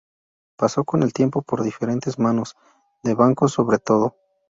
Pasó con el tiempo por diferentes manos, de bancos sobre todo.